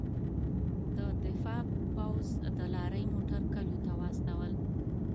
د دفاع پوځ د لارۍ موټر کلیو ته واستول.